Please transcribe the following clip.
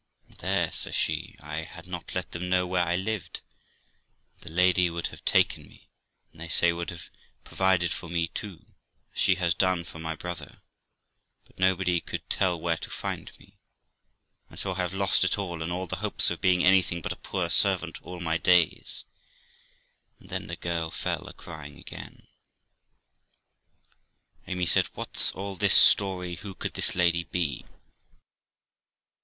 'And there', says she, 'I had not let them know where I lived, and the lady would have taken me, and, they say, would have provided for me too, as she has done for my brother; but nobody could tell where to find me, and so I have lost it all, and all the hopes of being anything but a poor servant all my days'; and then the girl fell a crying again. Amy said, 'What's all this story? Who could this lady be?